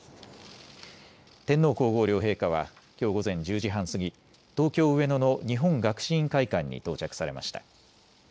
天皇皇后両陛下はきょう午前１０時半過ぎ東京上野の日本学士院会館に到着されました。